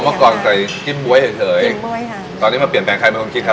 เมื่อก่อนใส่จิ้มบ๊วยเฉยจิ้มบ๊วยค่ะตอนนี้มาเปลี่ยนแปลงใครเป็นคนคิดครับ